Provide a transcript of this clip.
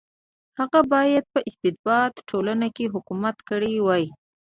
هغوی باید په استبدادي ټولنه کې حکومت کړی وای.